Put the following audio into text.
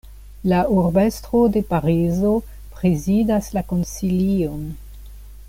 La urbestro de Parizo prezidas la konsilion.